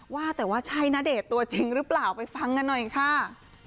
ว่าใช่ตัวจริงหรือเปล่าไปฟังกันหน่อยค่ะ